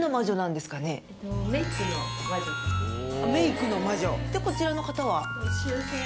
でこちらの方は？